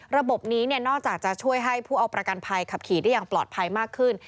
ระบบนี้นอกจากจะช่วยให้ผู้เอาประกันภัยขับขี่ได้อย่างปลอดภัยมากขึ้น